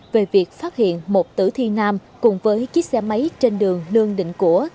về việc phát hiện một tử thi nam cùng với chiếc xe máy trên đường lương định của